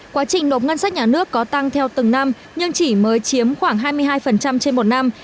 quá trình nộp ngân sách nhà nước có tăng theo từng năm nhưng chỉ mới chiếm khoảng hai mươi hai trên một năm